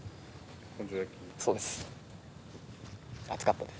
そうです。